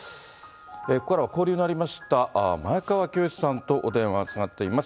ここからは交流のありました前川清さんとお電話つながっています。